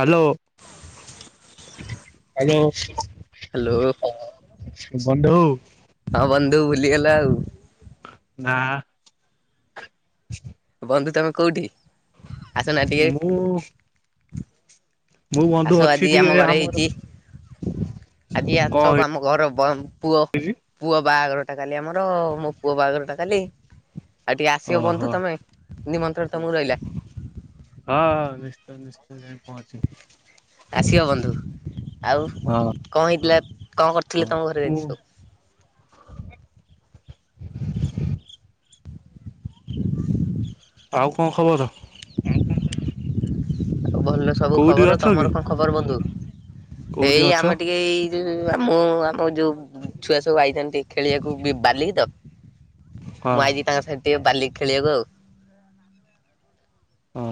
Hello hello. Hello. ବନ୍ଧୁ ହଁ ବନ୍ଧୁ ଭୁଲିଗଲା ଆଉ। ନା। ହ ବନ୍ଧୁ ତମେ କୋଉଠି? ଆସନା ଟିକେ ମୁଁ ମୁଁ ବନ୍ଧୁ ଆସ ଅଛି ଆଜି ଆମ ଟିକେ ଘରେ ଆମର ହେଇଚି ଆଜି ଆସ କଣ ଆମ ଘର ବନ୍ଦ ପୁଅ ହେଇଛି ପୁଅ ବାହାଘର ଟା କାଲି ଆମର ମୋ ପୁଅ ବାହାଘର ଟା କାଲି। ଆଉ ଟିକେ ଆସିବ ଓହୋ ବନ୍ଧୁ ତମେ ନିମନ୍ତ୍ରଣ ତମକୁ ରହିଲା। ହଁ ହଁ ନିଶ୍ଚୟ ନିଶ୍ଚୟ। ପହଞ୍ଚିବି ଆସିବ ବନ୍ଧୁ ଆଉ ହଁ କଣ ହେଇଥିଲା କଣ କରିଥିଲେ ତମ ଘରେ ଆଜି ମୁଁ ସବୁ? ଆଉ କଣ ଖବର? [inaudible] ଆଉ ଭଲ ସବୁ କୋଉଠି ଖବର ଅଛ କି ତମର କଣ ଖବର ବନ୍ଧୁ? କୋଉଠି ଏଇ ଅଛ ଆମେ ଟିକେ ଏଇ ଉଁ ଆମୁଁ ଆମ ଯୋଉ ଛୁଆ ସବୁ ଆଇଚନ୍ତି ଖେଳିବାକୁ ବାଲିକି ତ ହଁ ମୁଁ ଆଇଚି ତାଙ୍କ ସାହିତ ଟିକଏ ବାଲିକ ଖେଳିବାକୁ ଆଉ। ଓ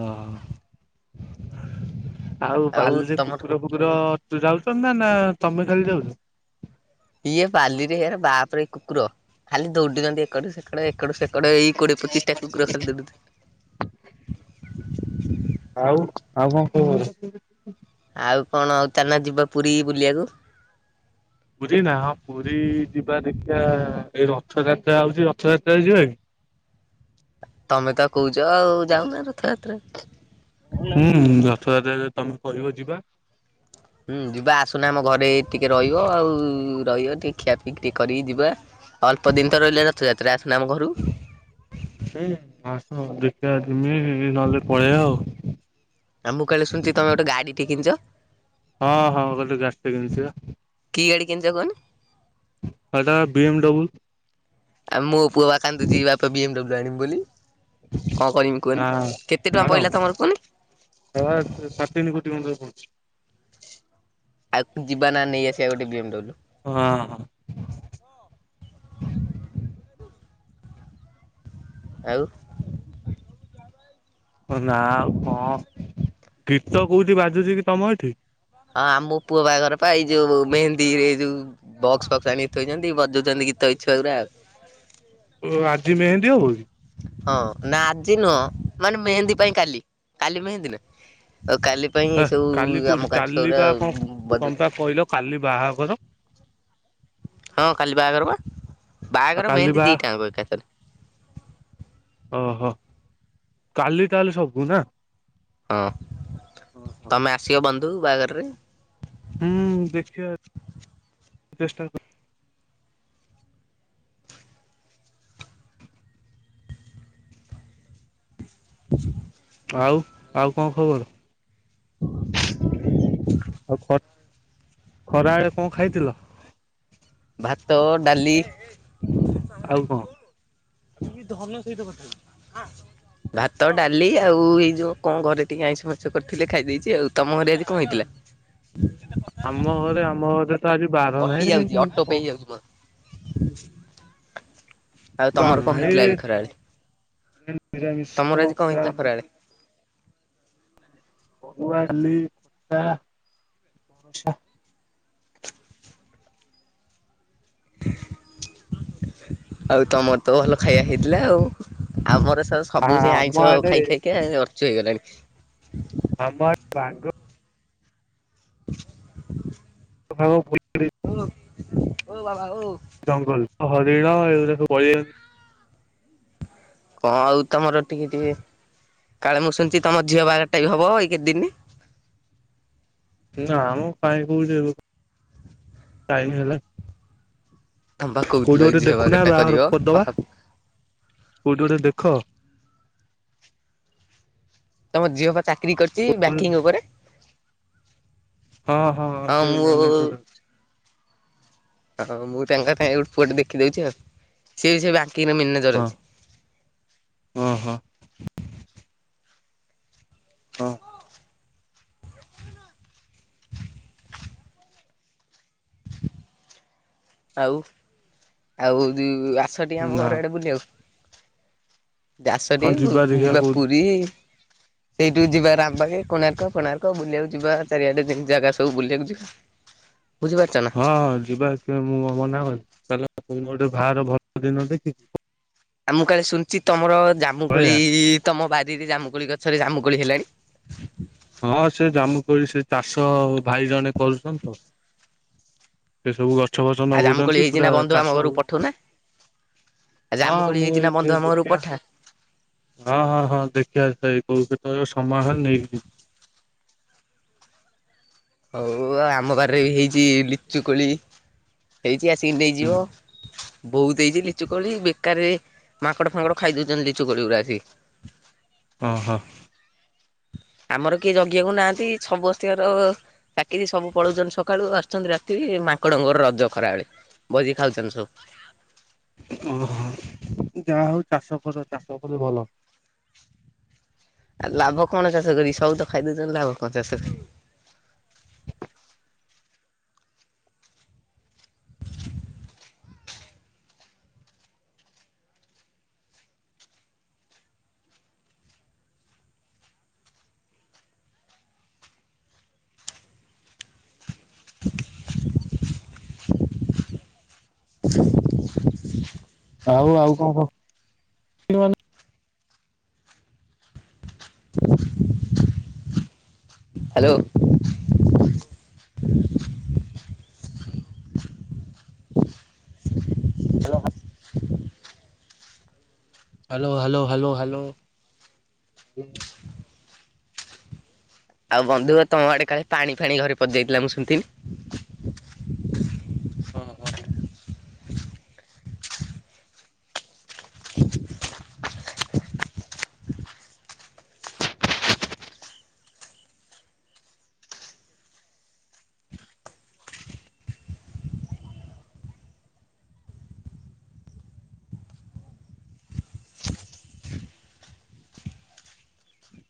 ଆଉ ବାଲିରେ କୁକୁର ଫୁ କୁକୁର ତୁ ଯାଉଛନ୍ତି ନା ତମେ ଖାଲି ଯାଉଛ? ଇଏ ବାଲିରେ ଏର ବାପରେ ଏଇ କୁକୁର ଖାଲି ଦୌଡିଛନ୍ତି ଏକଡୁ ସେକଡ ଏ ଏକଡୁ ସେକଡ ଏଇ କୋଡିଏ ପଚିଶଟା କୁକୁର ଖାଲି ଦୌଡୁ ଥି ଆଉ ଆଉ କଣ କୁହ ଆଉ କଣ ଚାଲନ ଯିବା ପୁରୀ ବୁଲିବାକୁ। ପୁରୀ ନା ହଁ ପୁରୀ ଯିବା ଦେଖିବା ଏଇ ରଥଯାତ୍ରା ହୋଉଚି ରଥଯାତ୍ରା ଯିବା କି? ତମେ ତ କୋହୁଚ ଆଉ ଯାଉନ ରଥଯାତ୍ରା। ହୁଁ ରଥଯାତ୍ରା ଯଦି ତମେ କିବ ଯିବା। ହୁଁ ଯିବା ଆସୁନ ଆମ ଘରେ ଟିକେ ରହିବ ଆଉ ରହିବ ଟିକେ ଖିଆ ପିଇକ୍ ଟିକେ କରିକି ଯିବା। ଅଳ୍ପ ଦିନ ତ ରହିଲା ରଥଯାତ୍ରା ଆସୁନ ଆମ ଘରୁକୁ? [unintelligible] ପଳେଇବା ଆଉ। ଆ ମୁଁ କାଳେ ଶୁଣିଚି ତମେ ଗୋଟେ ଗାଡ଼ିି ଟେ ଶୁଣିଚ। ହଁ ହଁ ଗୋଟେ ଗାଡ଼ି ଟେ କିଣିଚି ବା। କି ଗାଡି କିଣିଚ କୁହନି? ହେଟା ବା ବିଏମ୍ଡବ୍ଲୁ। ଆ ମୋ ପୁଅ ବା ଖାନ୍ଦୁଚି ବାପା ବିଏମ୍ଡବ୍ଲୁ ଆଣିବୁ ବୋଲି। କଣ କରମି କୁହନି। ହଁ କେତେ ଟଙ୍କା ପଡିଲା ତମର କୁହନି? ହେ ବା ସାଢେ ତିନି କୋଟି ଖଣ୍ଡେ ପଡିଚି। ଆଉ ଯିବା ନା ନେଇଆସିବା ଗୋଟେ ବିଏମ୍ଡବ୍ଲୁ। ହଁ। ଆଉ [inaudible] ନା ଆଉ କଣ। ଗୀତ କୋଉଠି ବାଜୁଚି କି ତମ ଏଠି? ହଁ ଆମ ପୁଅ ବାହାଘର ପାଇଁ ଏଇ ଯୋଉ ମେହେନ୍ଦୀରେ ଯୋଉ ବକ୍ସ ଫକ୍ସ ଆଣିଥୋଇଛନ୍ତି ବଜଉଛନ୍ତି ଗୀତ ଏଇ ଛୁଆଗୁରା ଆଉ। ଓ ଆଜି ମେହେନ୍ଦୀ ହବ? ହଁ ନା ଆଜି ନୁହଁ। ମାନେ ମେହେନ୍ଦୀ ପାଇଁ କାଲି, କାଲି ମେହେନ୍ଦୀ ନା। ଆଉ କାଲି ପାଇଁ ଏ ହେ ସବୁ କାଲି ଆମ କୋଉଠି ଗାଁ କାଲି ଛୁଆଗୁରା ବା କଣ ତମେ ବଜଉଛନ୍ତି। ପା କହିଲ କାଲି ବାହାଘର ହଁ କାଲି ବାହାଘର ପା। ଆଉ ବାହାଘର କାଲି ମେହେନ୍ଦି ବା ଦିଟା ଆଙ୍କ ଏକାଥରେ। ଓହୋ। କାଲି ତାହେଲେ ସବୁ ନା? ହଁ ତମେ ଆସିବ ବନ୍ଧୁ ବାହାଘରରେ। ହୁଁ ଦେଖିବା ଚେଷ୍ଟା କର [inaudible] ଆଉ ଆଉ କଣ ଖବର? ଆଉ ଖ ଖରାବେଳେ କଣ ଖାଇଥିଲ? ଭାତ, ଡାଲି। ଆଉ କଣ? ଧନ ସହିତ କଥା ଭାତ, ଡାଲି ଆଉ ଏଇ ଯୋଉ କଣ ଘରେ ଟିକେ ଆଇଁଷ ଫାଇଁଷ କରିଥିଲେ ଖାଇ ଦେଇଚି ଆଉ। ତମ ଘରେ ଆଜି କଣ ହେଇଥିଲା? [inaudible] ଆମ ଘରେ ଆମ ଘରେ ତ ଆଜି ବାର କଟି ନାହିଁ। ଯାଉଛି ଅଟୋପେ କଣ ହେଇଯାଉଛି [inaudible] ଆଉ ବାର ତମର କଣ ନାହିଁ ହେଇଥିଲା ଆଜି ଖରା ବେଳେ? ନିରାମିଷ ତମର ଆଜି କଣ ପୁରା ହେଇଥିଲା ଖରାବେଳେ? [unintelligible] ଆଉ ତମର ତ ଭଲ ଖାଇବା ହେଇଥିଲା ଆଉ। ଆମର ସ ସବୁ ସେ ଆମ ଆଇଁଷ ଆଡେ ଖାଇ ଖାଇକି ଅର୍ଚୁ ହେଇଗଲାଣି। [unintelligible] [inaudible] [unintelligible] ଓ ଓ ବାବା ଓ। ଜଙ୍ଗଲ ହରିଣ ଏଗୁରା ସବୁ। [unintelligible] କଣ ଆଉ ତମର ଟିକେ ଟିକେ କାଳେ ମୁଁ ଶୁଣିଛିି ତମ ଝିଅ ବାହାଟା ବି ହବ ଏଇ କେତେ ଦିନ। ନା ମ କାଇଁ କୋଉଠି ହଉଚି। ଟାଇମ୍ ହେଲେ ତମେ ପା କହୁଥିଲ କୋଉଠି ଏଇ ଗୋଟେ ଝିଅ ଦେଖୁନା ବାହାଘରଟା କରିବ ବାହାଘର କରିଦବା। ପାଖା କୋଉଠି ଗୋଟେ ଦେଖ। ତମ ଝିଅ ପା ଚାକିରି କରିଚି ବ୍ୟାଙ୍କିଙ୍ଗ ଉପରେ। ହଁ ହଁ ହଁ ସେ ମ୍ୟାନେଜର ଅଛି। ହଁ ମୁଁ ତାଙ୍କ ପାଇଁ ଗୋଟେ ପୁଆ ଟେ ଦେଖିଦଉଚି ଆଉ। ସିଏ ବି ସେ ବ୍ୟାଙ୍କିଙ୍ଗରେ ହଁ ମ୍ୟାନେଜର ଅଛି। ହଁ ହଁ। ହଁ। ଆଉ ଆଉ ଆସ ଟିକେ ଆମ ନା ଘର ଆଡେ ବୁଲିଆକୁ। ଆସ ହଁ ଟିକେ ଦେଖିବା ଯିବା କୋଉଠି ପୁରୀ। ସେଇଠୁ ଯିବା ରାମବାଖେ କୋଣାର୍କ କୋଣାର୍କ ବୁଲିବାକୁ ଯିବା ଚାରିଆଡେ ଜାଗା ସବୁ ବୁଲିବାକୁ ଯିବା। ବୁଝିପାରୁ ହଁଁ ଯିବା ମୁଁ କଣ ମନା କରଛି [unintelligible] ଗୋଟେ ବାହାର ଭଲ ଦିନ ଦେଖି ଆ ମୁଁ କାଳେ ଶୁଣିଛି ତମର ଜାମୁକୋଳି ପଳେଇବା। ତମ ବାରିରେ ଜାମୁକୋଳି ଗଛରେ ଜାମୁକୋଳି ହେଲାଣି ହଁ ସେ ଜାମୁ କୋଳି ସେ ଚାଷ ଭାଇ ଜଣେ କରୁଛନ୍ତି ତ। ସେ ସବୁ ଗଛ ଫଛ ଆଉ ଜାମୁକୋଳି ନଗଉଛନ୍ତି ହେଇଛି ପୁରା ନା ବନ୍ଧୁ ଆମ ଚାଷ ଘରକୁ ହଉ ପଠଉନା ଆଉ ହଁ ଜାମୁକୋଳି ମୁଁ ହେଇଛି ନା ବନ୍ଧୁ [unintelligible] ଆମ ଘରକୁ ଦେଖିଆ। ପଠା। ହଁ ହଁ ହଁ ଦେଖିବା ତଥାପି ପୁଅକୁ କେତେବେଳେ ସମୟ ନେଇକି ଜିବି। ହଉ ଆଉ ଆମ ବାରିରେ ହେଇଚି ଲିଚୁ କୋଳି। ହେଇଚି ଆସିକି ନେଇଯିବ। ହୁଁ ବୋହୁତ ହେଇଚି ଲିଚୁ କୋଳି ବେକାରରେ ମାଙ୍କଡ ଫାଙ୍କଡ ଖାଇ ଦଉଛନ୍ତି ଲିଚୁ କୋଳି ଗୁଡା ଆସିକି। ହଁ ହଁ। ଆମର କିଏ ଜଗିବାକୁ ନାହାନ୍ତି ସମସ୍ତଙ୍କର ଚାକିରି ସବୁ ପଳଉଛନ୍ତି ସକାଳୁ ଆସୁଛନ୍ତି ରାତିକି ମାଙ୍କଡଙ୍କର ରଜ ଖରାବେେଳେ। ଭୋଜି ଖାଉଛନ୍ତି ସବୁ। ଓହୋ ଯାହା ହଉ ଚାଷ କର ଚାଷ କଲେ ଭଲ ଆଉ ଲାଭ କଣ ଚାଷ କରିକି ସବୁ ତ ଖାଇଦେଉଛନ୍ତି ଲାଭ କଣ ଚାଷ କରି [unintelligible] ହ ଆଉ ଆଉ କଣ କହ? ହ୍ୟାଲୋ। ହଲୋ ହଁ। Hello hello hello hello. ଆଉ ବନ୍ଧୁ ମ ତମ ଆଡେ କାଳେ ପାଣି ଫାଣି ଘରେ ପସିଯାଇଥିଲା ମୁଁ ଶୁଣିଥିନି। ଅ ହଁ।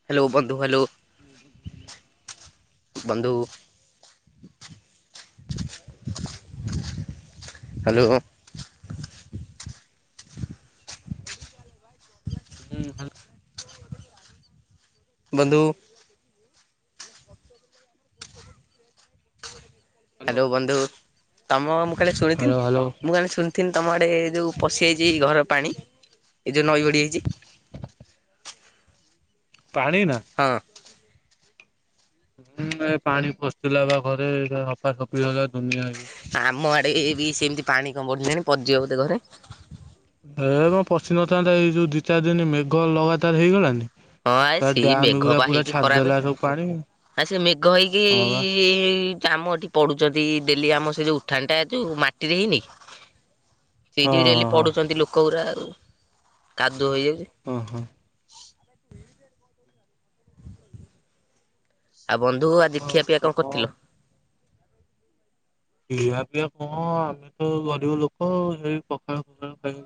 ହ୍ୟାଲୋ ବନ୍ଧୁ ହ୍ୟାଲୋ। ହୁଁ ବନ୍ଧୁ ହ୍ୟାଲୋ। ହୁଁ ହୁଁ। ବନ୍ଧୁ। ହାଲୋ ହ୍ୟାଲୋ ବନ୍ଧୁ ତମ ମୁଁ କାଲି ଶୁଣିଥିନି ହାଲୋ ହାଲୋ ମୁଁ ଖାଲ ଶୁଣି। ଥିିନ ତମ ଆଡ଼େ ଏ ଯୋଉଁ ପଶିଯାଇଛି ଘର ପାଣି ଏ ଯୋଉଁ ନଈ ବଡ଼ିହେଇଛି। ପାଣି ନା। ହଁ। ହୁଁ ଏ ପାଣି ପଷୁଥିଲା ବା ଘରେ ଏରା ସଫାସଫି ହେଲା ଦୁନିଆଇଏ। ଆମ ଆଡେ ଏ ବି ସେମିତି ପାଣି କଣ ବଢିଲେଣି ପସଯିବ ବୋଧେ ଘରେ। ଏ ମ ପଶିିନଥାନ୍ତା ଏଇ ଯୋଉ ଦି ଚାରି ଦିନ ମେଘ ଲଗାତାର ହେଇଗଲାନି। ହଁ ଆ ସେ ସେଇ ମେଘ ଡ୍ୟାମ ପୁରା ପା ପୁରା ହେଇକି ଛାଡ୍ ଖରାପ ଦେଲା ସବୁ ପାଣି। ଆ ସେ ମେଘ ହେଇକି ହଁ ବା କାମ ଏଠି ପଡୁଛନ୍ତି ଡେଲି ଆମ ସେ ଯୋଉ ଉଠାଣଟା ଯୋଉ ମାଟିରେ ହେଇନି। ହଁ ସେଇଠି ଡେଲି ହଁ ହଁ ପଢୁଛନ୍ତି ଲୋକ ଉରା ଆଉ କାଦୁଅ ହେଇଯାଉଛି। ଓଁ ହଁ। ଆଉ ବନ୍ଧୁ ଆଜି ଖିଆ ପିଆ କଣ କରିଥିଲ। ଖିଆ ପିଆ କଁ ଆମେ ତ ଗରିବ ଲୋକ ଏଇ ପଖାଳ ଫଖାଳ ଖାଇ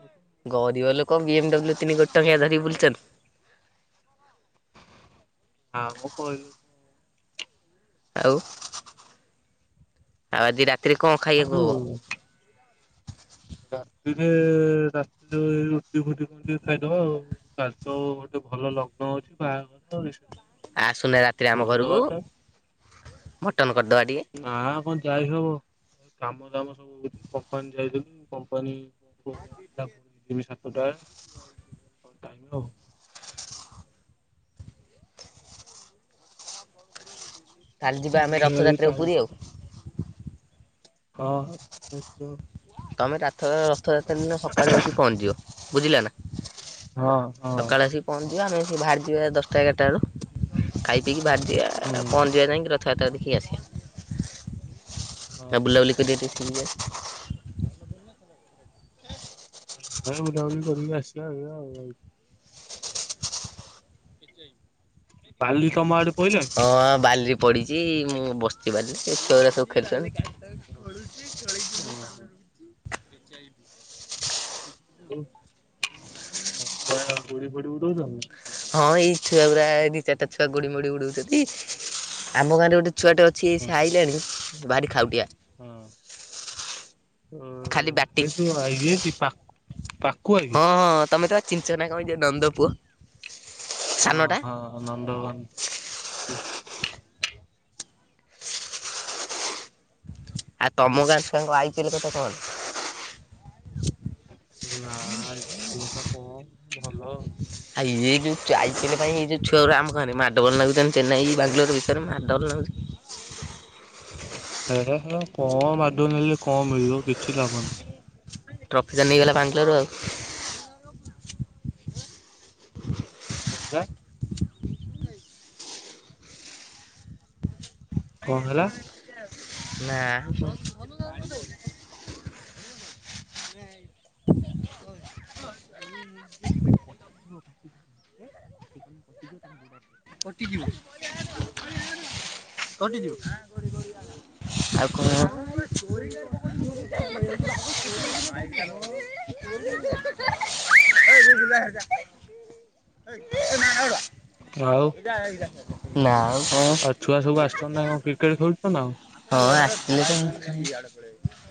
ଗରିବ ଲୋକ ବି ଏମ୍ ଡବ୍ଲୁ ତିନି କୋଟି ଟଙ୍କିଆ ଧରିିକି ବୁଲୁଚନ୍ତି। ହା ମ ପଇଲୁ। ଆଉ ଆଉ ଆଜି ରାତିରେ କଣ ଆଉ ଖାଇବାକୁ ଯୋଉ ହବ? ରାତିରେ ରାତିରେ ରୁଟି ଫୁଟି କଣ ଟିକେ ଖାଇଦବ ଆଉ। କାଲି ତ ଗୋଟେ ଭଲ ଲଗ୍ନ ଅଛି ବାହାଘରେ ରିସେ ଆସୁନା ରାତିରେ ଆମ ଘରୁକୁ ମଟନ କରିଦବା ଟିକେ। ନା କଣ ଯାଇ ହବ କାମ ଦାମ ସବୁ ହଉଚି କମ୍ପାନୀ ଯାଇଥିଲି କମ୍ପାନୀ ଫୋନ୍ ଆସିଥିଲା ସତୁଟା [unintelligible] ଆଉ କାଲି ଯିବା ଆମେ ଖେଳ ରଥଯାତ୍ରା କୁ ଟାଇମ ପୁରୀ ଆଉ। ହବ ହଁ। ତମେ ରାଥ ରଥଯାତ୍ରା ଦିନ ସକାଳୁ ଆସି ପହଞ୍ଚିିଯିବ ବୁଝିଲା ନା। ହଁ ସକାଳେ ଆସି ପହଞ୍ଜିବା ଆମେ ଆସିକି ବାହାରିଯିବା ଦଶଟା ଏଗାରଟା ବେଳୁ ଖାଇ ପିଇକି ବାହାରିଯିବା ହୁଁ ପହଞ୍ଜିବା ଯାଇକି ର ଥ ଯାତ୍ରା ଦେଖିକି ଆସିବା। ହଁ ଆଉ ବୁଲାବୁଲି କରିବା ଟିକେ ସି ବିଚ୍ ଆଡ଼େ। [unintelligible] କରିବା ଆସିବା ଆଉ ଏଇଆ ଆଉ। ପାଲି କମାଡ଼ ହଁ ବାଲି ପଡ଼ିଚି ମୁଁ ବସିଚି ବାଲିରେ ଏଇ ଛୁଆଉରା ସବୁ ଖେଳୁଚନ୍ତି। ଓହୋ। [unintelligible] ଛୁଆ ର ଗୁଡ଼ି ଫୁଡ଼ି ଉଡଉଚନ୍ତି ନା? ହଁ ଏଇ ଛୁଆ ଗୁରା ଦି ଚାରିଟା ଛୁଆ ଗୁଡି ମୁଡି ଉଡଉଚନ୍ତି ଆମ ଗାଁ ରେ ଗୋଟେ ଛୁଆଟେ ଅ ଛି ସିଏ ଆଇଲେଣି ଭାରି ଖାଉଟିଆ। ହଁ। ଖାଲି ବ୍ୟାଟି [unintelligible] ଇଏ କି ପା-ପକୁଆ କି? ଚିଞ୍ଚନା କଣ ଏଇ ଯେ ନନ୍ଦ ପୁଅ। ହଁ ସାନଟା। ହଁ ନନ୍ଦ [unintelligible] ଆ ତମ ଗାଁ ଛୁଆଙ୍କ ଆଇ ପି ଏଲ୍ କଥା କଣ? ନା ଏପଟୁ କଥା କଣ ଭଲ ଆଉ। ହା ଇଏ ଯୋଉ [unintelligible] ପାଇଁ ଏଇ ଯୋଉ ଛୁଆଉରୁ ଆମ ଗାଁ ରେ ମାଡଗୋଳ ନାଗୁଚନ୍ତି ଚେନ୍ନାଇ ବାଙ୍ଗଲୋର ବିଷୟରେ ମାଡଗୋଳ ନାଗୁଚନ୍ତି। ହେରା ହେଲା କଣ ମାଦୁଅ ନେଲେ କଣ ମିଳିବ କିଛି ଲାଭ ନାହିଁ। ଟ୍ରଫି ଟା ନେଇଗଲା ବାଙ୍ଗଲୋର ଆଉ। କଁ ହେଲା? କଣ ହେଲା? ନା [inaudible] [inaudible] କଟିଯିବ। [unintelligible] କଟିଯିବ। ଆଉ କଣ? [inaudible] ଆଉ ନା ଆଉ ଆଉ କଣ? ଛୁଆ ସବୁ ଆସୁଚନ୍ତି ନା କଣ କ୍ରିକେଟ ଖେଳୁଚନ୍ତି ନା କଣ? ହଁ ଆସିଥିଲେ ତ [inaudible]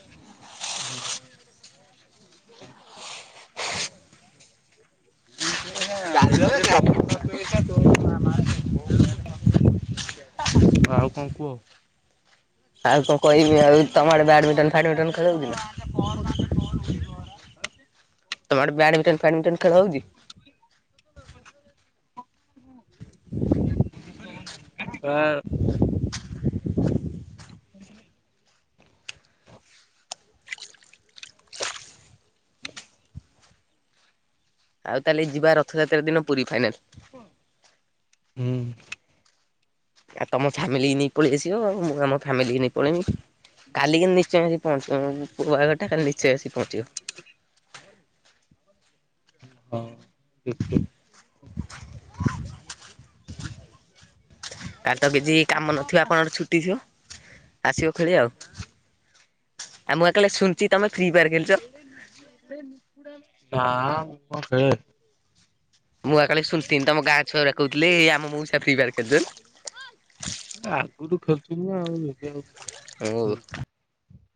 ହଁ। ହ [inaudible] ଆଉ କଣ କୁହ? ଆଉ କଣ କହିବି ଆଉ ତମ ଆଡ଼େ ବ୍ୟାଡମିଣ୍ଟନ, ଫାଡମିଣ୍ଟନ ଖେଳନ୍ତି ନା? ତମ ଆଡ଼େ ବ୍ୟାଡମିଟନ ଫାଡମିଣ୍ଟନ ଖେଳ ହଉଛି? ହାଁ। ହ ଆଉ ତାହେଲେ ଯିବା ରଥଯାତ୍ରାର ଦିନ ପୁରୀ ଫାଇନାଲ। ହୁଁ। ଆଉ ତମ ଫ୍ୟାମିଲି ନେଇ ପଳେଇ ଆସିବ। ଆଉ ମୁଁ ଆମ ଫ୍ୟାମିଲି ନେଇ ପଳେଇବି। କାଲି ନିଶ୍ଚୟ ଆସି ପହଞ୍ଚିବ, ବାରଟା ନିଶ୍ଚୟ ଆସି ପହଞ୍ଚିବ। ହଁ, ଦେଖିଆ। କାଲି ତ କିଛି କାମ ନଥିବ ଆପଣଙ୍କର ଛୁଟି ଥିବ? ଆସିବ ଖେଳି ଆଉ। ଆଉ ମୁଁ ବା କାଳେ ଶୁଣିଛି ତମେ ଫ୍ରି ଫାୟାର ଖେଳୁଛ? ନାଁ ମୁ ଖ ମୁଁ ବା କାଳେ ଶୁଣିଥିଲି ତମ ଗାଁ ଛୁଆ ଗୁଡା କହୁଥିଲେ, ଏଇ ଆମ ମଉସା ଫ୍ରି ଫ୍ୟାୟର ଖେଳୁଛନ୍ତି। ଆଗରୁ ଖେଳୁ ଥିଲି ଆଉ। ଏବେ ଆଉ ମୁଁ ଖେ